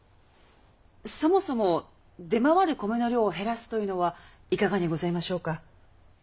そもそも出回る米の量を減らすというのはいかがにございましょうか。